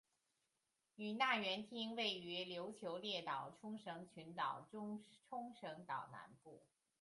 与那原町位于琉球列岛冲绳群岛冲绳岛南部。